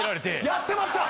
やってました！